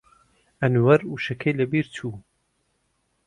ئەنوەر وشەکەی لەبیر چوو.